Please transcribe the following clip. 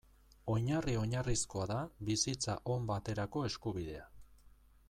Oinarri oinarrizkoa da bizitza on baterako eskubidea.